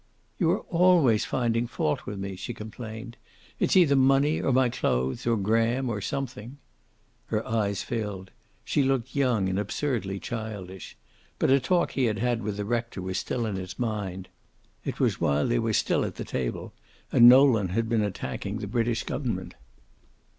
"You are always finding fault with me," she complained. "It's either money, or my clothes, or Graham, or something." Her eyes filled. She looked young and absurdly childish. But a talk he had had with the rector was still in his mind. It was while they were still at the table, and Nolan had been attacking the British government.